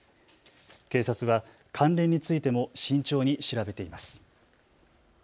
警察は関連についても慎重に調べています。